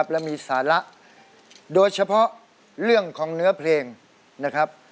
และมีสาระโดยเฉพาะเรื่องของเนื้อเพลงนะครับ